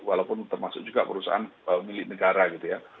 walaupun termasuk juga perusahaan milik negara gitu ya